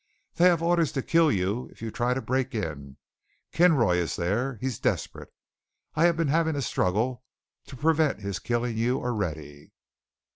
They have orders to kill you, if you try to break in. Kinroy is there. He is desperate. I have been having a struggle to prevent his killing you already.